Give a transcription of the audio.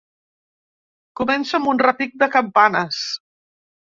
Comença amb un repic de campanes.